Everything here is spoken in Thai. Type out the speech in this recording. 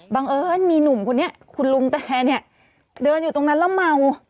เอิญมีหนุ่มคนนี้คุณลุงแตเนี่ยเดินอยู่ตรงนั้นแล้วเมา